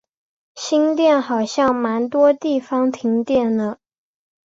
新店好像蛮多地方停电了